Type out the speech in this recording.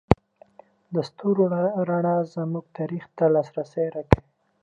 د ستورو رڼا زموږ تاریخ ته لاسرسی راکوي.